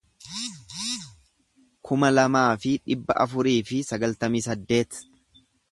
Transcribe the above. kuma lamaa fi dhibba afurii fi sagaltamii saddeet